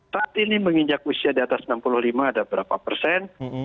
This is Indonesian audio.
saat ini menginjak usia di atas enam puluh lima ada berapa persen